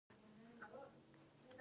بڼه يې مړه وه .